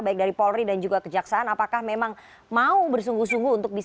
baik dari polri dan juga kejaksaan apakah memang mau bersungguh sungguh untuk bisa